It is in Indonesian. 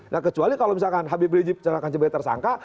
nah kecuali kalau misalkan habib rijik secara kanciba tersangka